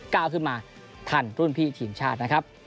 กล้าวขึ้นมาทันรุ่นพี่ทีมชาติ